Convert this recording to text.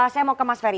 saya mau ke mas ferry